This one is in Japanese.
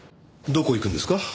どこへ行くんですか？